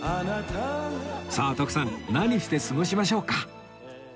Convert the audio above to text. さあ徳さん何して過ごしましょうか？